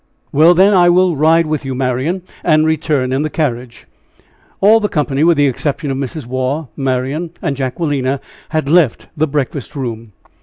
"Well, then, I will ride with you, Marian, and return in the carriage." All the company, with the exception of Mrs. Waugh, Marian and Jacquelina, had left the breakfast room.